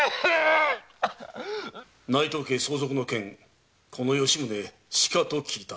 内藤家相続の件この吉宗しかと聞いた。